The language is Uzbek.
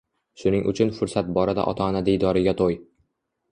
Shuning uchun fursat borida ota-ona diydoriga to‘y